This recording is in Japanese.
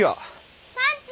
パンチ！